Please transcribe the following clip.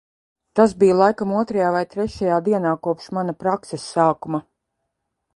Tas bija laikam otrajā vai trešajā dienā kopš mana prakses sākuma.